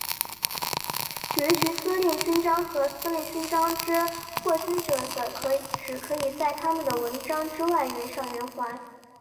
爵级司令勋章和司令勋章之获勋者则只可以在他们的纹章之外围上圆环。